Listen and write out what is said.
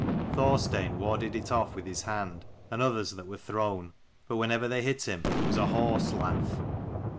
Thorstein warded it off with his hand, and others that were thrown : but whenever they hit him there was a horse laugh.